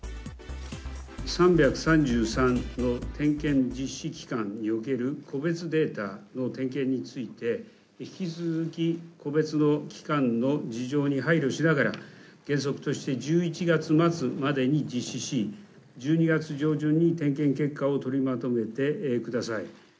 ３３３の点検実施機関における個別データの点検について、引き続き個別の機関の事情に配慮しながら、原則として１１月末までに実施し、１２月上旬に点検結果を取りまとめてください。